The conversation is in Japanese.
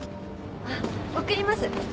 あっ送ります。